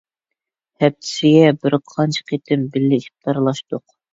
ھەپتىسىگە بىرقانچە قېتىم بىللە ئىپتارلاشتۇق.